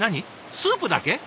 スープだけ？